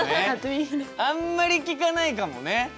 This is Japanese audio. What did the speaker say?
あんまり聞かないかもね。